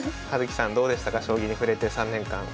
葉月さんどうでしたか将棋に触れて３年間。